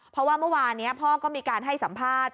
เพราะว่าเมื่อวานนี้พ่อก็มีการให้สัมภาษณ์